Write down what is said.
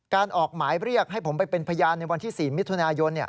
ออกหมายเรียกให้ผมไปเป็นพยานในวันที่๔มิถุนายน